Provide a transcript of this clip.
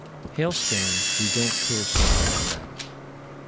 Hailstones, we don't care so much about.